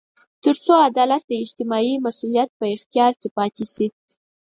تر څو عدالت د اجتماعي مسوولیت په اختیار کې پاتې شي.